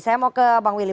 saya mau ke bang willy